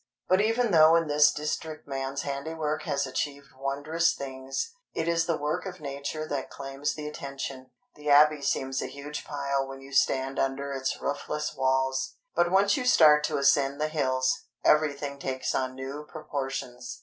But even though in this district man's handiwork has achieved wondrous things, it is the work of Nature that claims the attention. The Abbey seems a huge pile when you stand under its roofless walls; but once you start to ascend the hills, everything takes on new proportions.